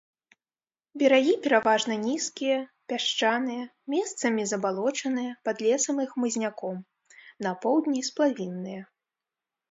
Берагі пераважна нізкія, пясчаныя, месцамі забалочаныя, пад лесам і хмызняком, на поўдні сплавінныя.